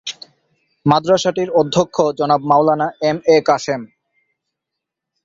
মাদ্রাসাটির অধ্যক্ষ জনাব মাওলানা M A Kashem.